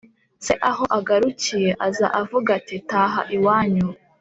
se aho agarukiye aza avuga ati “taha iwanyu